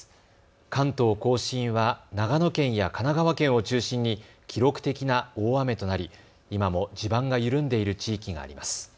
関東甲信は長野県や神奈川県を中心に記録的な大雨となり今も地盤が緩んでいる地域があります。